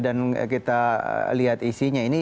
dan kita lihat isinya